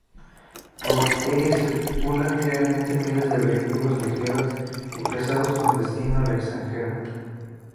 Por ella circulan diariamente miles de vehículos ligeros y pesados con destino al extranjero.